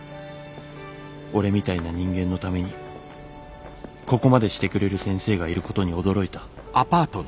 俺みたいな人間のためにここまでしてくれる先生がいることに驚いた」。